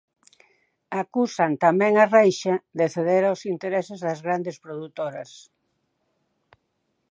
Acusan tamén a Reixa de ceder aos intereses das grandes produtoras.